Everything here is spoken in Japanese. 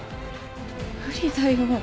無理だよ。